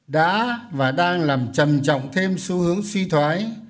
đã và đang làm trầm trọng thêm xu hướng suy thoái